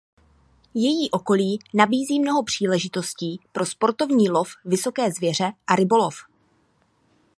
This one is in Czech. Její okolí nabízí mnoho příležitostí pro sportovní lov vysoké zvěře a rybolov.